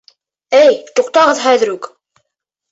Эй, туҡтағыҙ хәҙер үҡ!